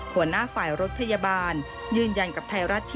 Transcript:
หัวหน้าฝ่ายรถพยาบาลยืนยันกับไทยรัฐทีวี